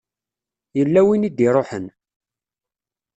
Yella win i d-iṛuḥen.